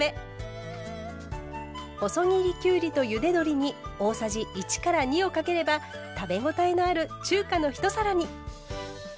細切りきゅうりとゆで鶏に大さじ１から２をかければ食べ応えのある中華の一皿に。